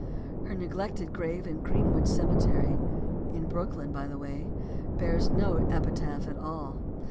Her neglected grave in Greenwood Cemetery, in Brooklyn, by the way bears no epitaph at all.